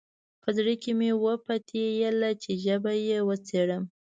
په زړه کې مې وپتېیله چې ژبه به یې وڅېړم.